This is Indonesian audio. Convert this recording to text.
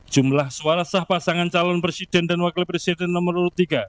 jumlah suara sah pasangan calon presiden dan wakil presiden nomor urut tiga